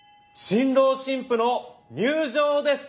新郎新婦の入場です。